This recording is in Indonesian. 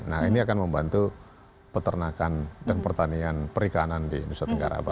nah ini akan membantu peternakan dan pertanian perikanan di nusa tenggara barat